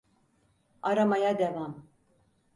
Aramaya devam.